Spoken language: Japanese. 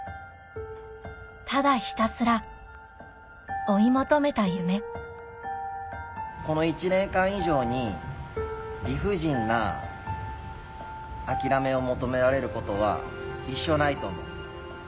ただひたすら追い求めた夢この１年間以上に理不尽な諦めを求められることは一生ないと思う。